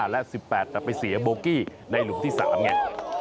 และ๑๘แต่ไปเสียโบกี้ในหลุมที่๓ไง